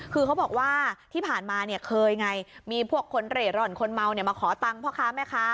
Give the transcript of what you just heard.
คือเขาบอกว่าที่ผ่านมาเนี่ยเคยไงมีพวกคนเร่ร่อนคนเมาเนี่ยมาขอตังค์พ่อค้าแม่ค้า